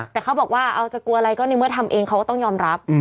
แต่เขาบอกว่าเอาจะกลัวอะไรก็ในเมื่อทำเองเขาก็ต้องยอมรับ